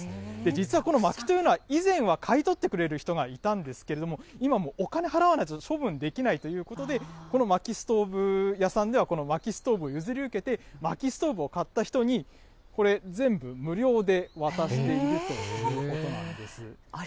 実はこのまきというのは、以前は買い取ってくれる人がいたんですけれども、今はお金払わないと処分できないということで、このまきストーブ屋さんではこのまきストーブを譲り受けて、まきストーブを買った人に、これ、全部無料で渡しているということなんです。